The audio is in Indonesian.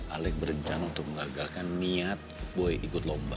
alec berencana untuk mengagalkan niat boy ikut lomba